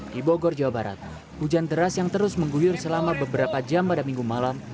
di bogor jawa barat hujan deras yang terus mengguyur selama beberapa jam pada minggu malam